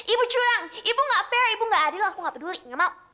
ibu curang ibu nggak adil aku nggak peduli nggak mau